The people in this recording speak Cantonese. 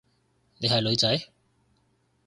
你係女仔？